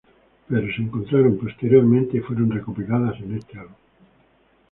Pero más tarde fueron encontradas, y recopiladas en este álbum.